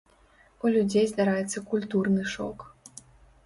У людзей здараецца культурны шок.